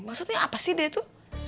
maksudnya apa sih deh itu